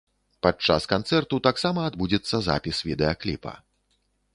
Падчас канцэрту таксама адбудзецца запіс відэакліпа.